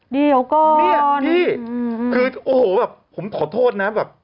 เดี๋ยวก่อนพี่คือโอ้โหผมขอโทษนะแบบ